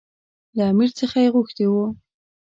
له امیر څخه یې غوښتي وو.